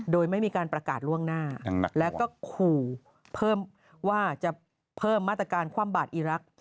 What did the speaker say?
โดยไม่มีการประกาศล่วงหน้าแล้วก็ขู่เพิ่มว่าจะเพิ่มมาตรการคว่ำบาดอีรักษ์